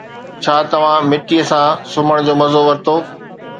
ڇا توهان مٽي سان سمهڻ جو مزو ورتو؟